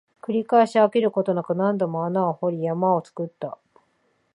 繰り返し、飽きることなく、何度も穴を掘り、山を作った